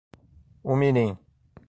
Umirim